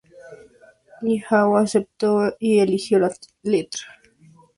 Iwao aceptó y eligió la letra.